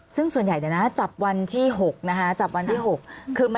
ซึ่งส่วนใหญ่แต่จับวันที่๖นะคะ